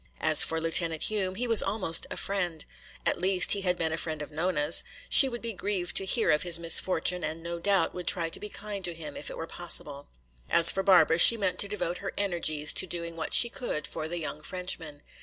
As for Lieutenant Hume, he was almost a friend. At least, he had been a friend of Nona's. She would be grieved to hear of his misfortune and no doubt would try to be kind to him if it were possible. As for Barbara, she meant to devote her energies to doing what she could for the young Frenchman.